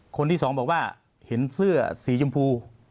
คนที่สองบอกว่าเห็นเสื้อสีชมพู